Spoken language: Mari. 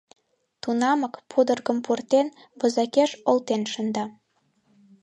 Тунамак, пудыргым пуртен, возакеш олтен шында.